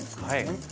はい。